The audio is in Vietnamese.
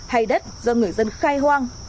hay đất do người dân khai hoang